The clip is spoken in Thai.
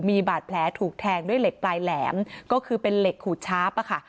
มีบาดแผลถูกแทงด้วยเหล็กปลายแหลมก็คือเป็นเหล็กขูดชาร์ฟอะค่ะ